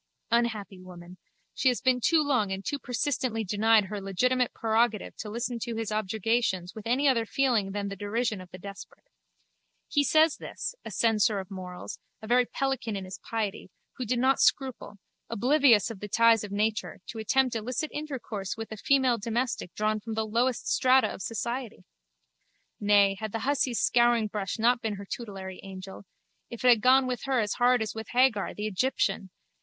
Unhappy woman, she has been too long and too persistently denied her legitimate prerogative to listen to his objurgations with any other feeling than the derision of the desperate. He says this, a censor of morals, a very pelican in his piety, who did not scruple, oblivious of the ties of nature, to attempt illicit intercourse with a female domestic drawn from the lowest strata of society! Nay, had the hussy's scouringbrush not been her tutelary angel, it had gone with her as hard as with Hagar, the Egyptian!